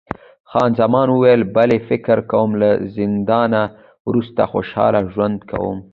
خان زمان وویل، بلی، فکر کوم له زندانه وروسته خوشحاله ژوند کوي.